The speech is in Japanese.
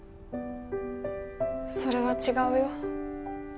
それは違うよ。